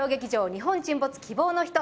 「日本沈没−希望のひと−」